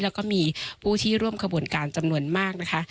แล้วก็มีผู้ที่ร่วมขบวนการจำนวนมากนะคะ